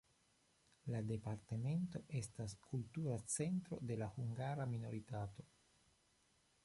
La departemento estas kultura centro de la hungara minoritato.